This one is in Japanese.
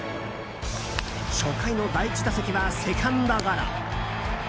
初回の第１打席はセカンドゴロ。